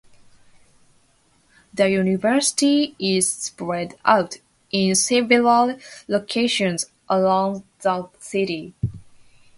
The university is spread out in several locations around the city.